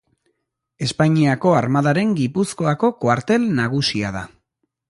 Espainiako Armadaren Gipuzkoako kuartel nagusia da.